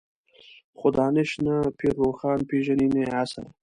خو دانش نه پير روښان پېژني نه يې عصر.